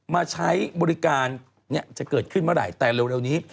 มาใช้บริการจะเกิดขึ้นเมื่อไหร่แต่เร็วนี้